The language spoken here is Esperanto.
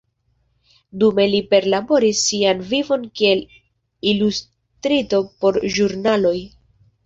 Dume li perlaboris sian vivon kiel ilustristo por ĵurnaloj.